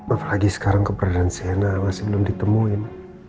apalagi sekarang keberadaan cna masih belum ditemuin